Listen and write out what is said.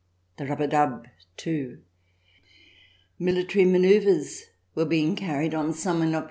The rub a dub, too. Military manoeuvres were being carried on somewhere not CH.